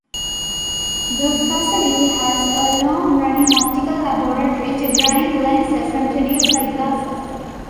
The facility has a long-running optical laboratory to grind lenses and produce eyeglasses.